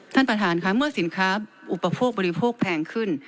ท่านประธานค่ะเมื่อสินค้าอุปโภคบริโภคแพงขึ้น